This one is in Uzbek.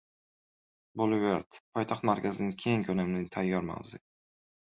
Boulevard — poytaxt markazidagi keng ko‘lamli, tayyor mavze